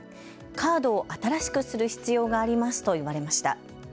カードを新しくする必要がありますと言われました。